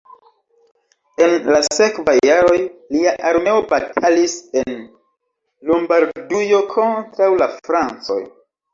En la sekvaj jaroj lia armeo batalis en Lombardujo kontraŭ la francoj.